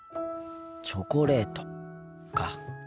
チョコレートか。